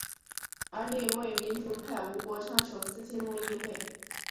而另一位民主派吴国昌首次进入议会。